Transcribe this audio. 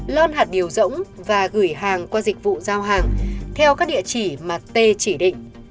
lơn hạt điều rỗng và gửi hàng qua dịch vụ giao hàng theo các địa chỉ mà t chỉ định